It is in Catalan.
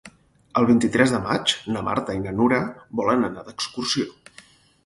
El vint-i-tres de maig na Marta i na Nura volen anar d'excursió.